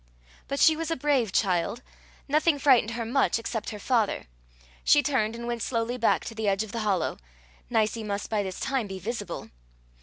But she was a brave child; nothing frightened her much except her father; she turned and went slowly back to the edge of the hollow: Nicie must by this time be visible.